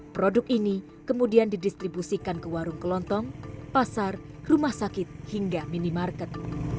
produk ini kemudian didistribusikan ke warung kelontong pasar rumah sakit hingga minimarket